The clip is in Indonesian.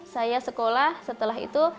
saya sekolah setelah itu